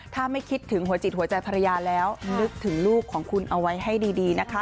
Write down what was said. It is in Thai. ถ้าไม่คิดถึงหัวจิตหัวใจภรรยาแล้วนึกถึงลูกของคุณเอาไว้ให้ดีนะคะ